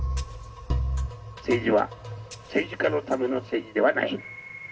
政治は政治家のための政治ではない。